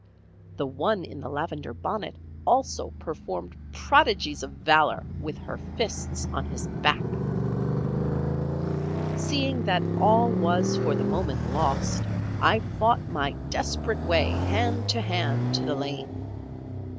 The one in the lavender bonnet also performed prodigies of valour with her fists on his back. Seeing that all was for the moment lost, I fought my desperate way hand to hand to the lane.